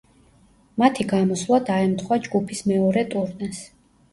მათი გამოსვლა დაემთხვა ჯგუფის მეორე ტურნეს.